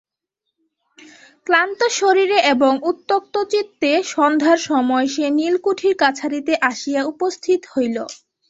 ক্লান্তশরীরে এবং উত্ত্যক্তচিত্তে সন্ধ্যার সময়ে সে নীলকুঠির কাছারিতে আসিয়া উপস্থিত হইল।